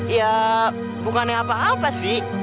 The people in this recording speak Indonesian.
ya bukannya apa apa sih